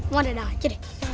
mau ada ada aja deh